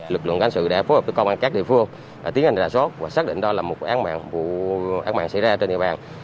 lực lượng công an đã phối hợp với công an các địa phương tiến hành rà sót và xác định đó là một án mạng xảy ra trên địa bàn